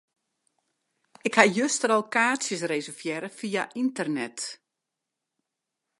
Ik ha juster al kaartsjes reservearre fia ynternet.